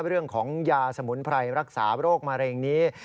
เรื่องของยาสมุนไพรรักษาโรคมะเร็งนี้